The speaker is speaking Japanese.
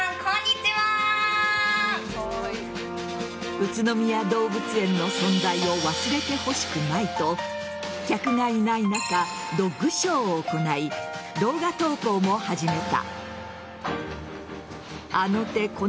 宇都宮動物園の存在を忘れてほしくないと客がいない中ドッグショーを行い動画投稿も始めた。